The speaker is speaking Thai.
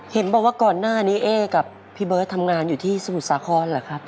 เห็นบอกว่าก่อนหน้านี้เอ๊กับพี่เบิร์ตทำงานอยู่ที่สมุทรสาครเหรอครับ